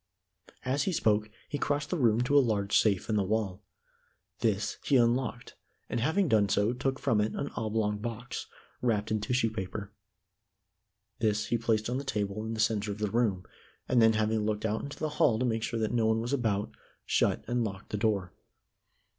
As he spoke, he crossed the room to a large safe in the wall. This he unlocked and having done so took from it an oblong box, wrapped in tissue paper. This he placed on the table in the center of the room, and then, having looked out into the hall to make sure that no one was about, shut and locked the door.